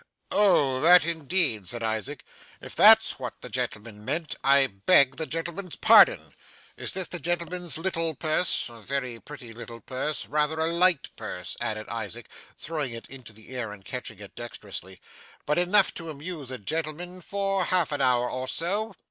'Oh! That indeed,' said Isaac; 'if that's what the gentleman meant, I beg the gentleman's pardon. Is this the gentleman's little purse? A very pretty little purse. Rather a light purse,' added Isaac, throwing it into the air and catching it dexterously, 'but enough to amuse a gentleman for half an hour or so.